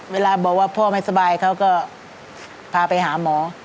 เวลาบอกว่าพ่อไม่สบายเขาก็พาไปหาหมอ